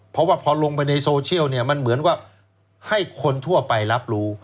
เพราะว่าพอลงไปในโซเชียลเนี่ยมันเหมือนว่าให้คนทั่วไปรับรู้